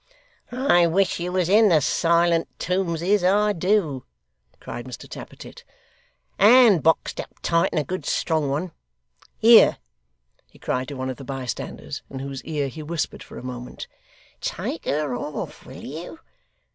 'I wish you was in the silent tombses, I do,' cried Mr Tappertit, 'and boxed up tight, in a good strong one. Here,' he cried to one of the bystanders, in whose ear he whispered for a moment: 'Take her off, will you.